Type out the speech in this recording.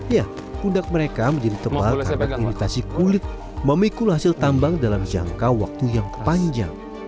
ya pundak mereka menjadi tebal karena imitasi kulit memikul hasil tambang dalam jangka waktu yang panjang